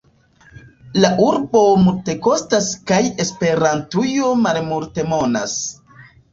La urbo multekostas kaj Esperantujo malmultemonas.